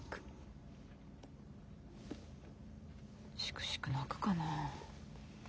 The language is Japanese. しくしく泣くかなあ。